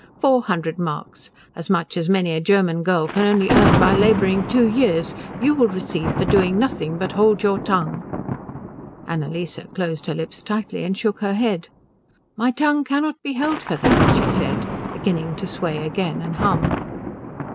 "Four hundred marks. As much as many a German girl can only earn by labouring two years you will receive for doing nothing but hold your tongue." Annalise closed her lips tightly and shook her head. "My tongue cannot be held for that," she said, beginning to sway again and hum.